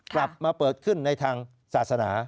กลับมาเปิดขึ้นในทางศาสนา